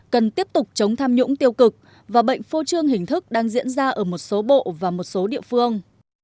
cần tiếp tục chống tham nhũng tiêu cực và bệnh phô trương hình thức đang diễn ra ở một số bộ và một số địa phương